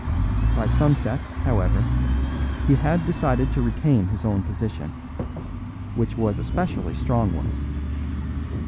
By sunset, however, he had decided to retain his own position, which was a specially strong one.